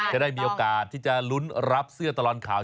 จะได้มีโอกาสที่จะลุ้นรับเสื้อตลอดข่าว